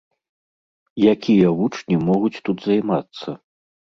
Якія вучні могуць тут займацца?